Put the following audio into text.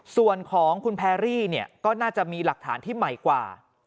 ส่วนของคุณแพรรี่เนี่ยก็น่าจะมีหลักฐานที่ใหม่กว่า